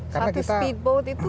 karena kita satu speedboat itu